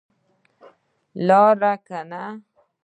لاړې که نه؟